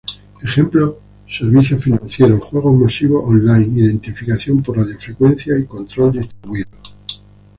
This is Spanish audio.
Ejemplos servicios financieros, juegos masivos online, Identificación por radiofrecuencia y control distribuido.